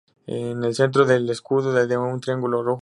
En el centro del escudo un triángulo rojo.